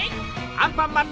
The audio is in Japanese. アンパンマン！